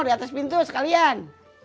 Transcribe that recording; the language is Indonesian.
di atas pintu sekalian